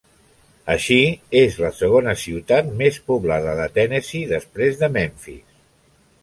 Així, és la segona ciutat més poblada de Tennessee, després de Memphis.